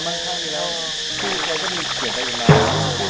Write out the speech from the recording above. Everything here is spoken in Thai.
พี่ลูกแก้ก็มีเครียดของเรา